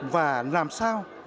và làm sao